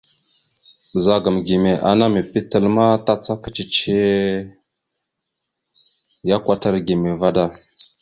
Ɓəzagam gime ya ana mèpiɗe tal ma, tàcaka cicihe ya kwatar gime vaɗ da.